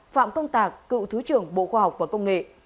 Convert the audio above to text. phạm công tạc cựu thứ trưởng bộ khoa học và công nghệ